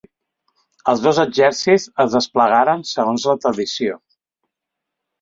Els dos exèrcits es desplegaren segons la tradició.